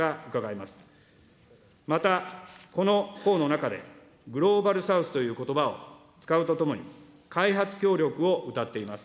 また、この項の中で、グローバルサウスということばを使うとともに、開発協力をうたっています。